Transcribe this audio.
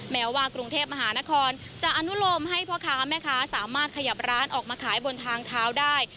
แม้ว่ากรุงเทพมหานครจะอนุโลมให้พ่อค้าแม่ค้าสามารถขยับร้านออกมาขายบนทางเท้าได้